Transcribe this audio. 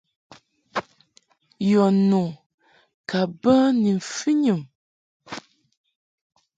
Yɔ nu ka bə ni mfɨnyum.